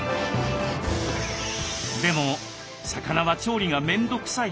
でも魚は調理が面倒くさい。